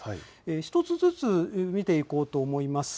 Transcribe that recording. １つずつ見ていこうと思います。